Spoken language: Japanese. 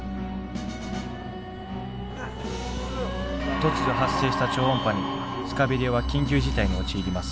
突如発生した「超音波」にスカベリアは緊急事態に陥ります。